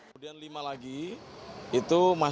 kemudian lima lagi itu masih